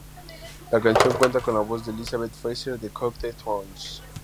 La canción cuenta con la voz de Elizabeth Fraser de Cocteau Twins.